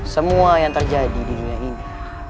semua yang terjadi di dunia ini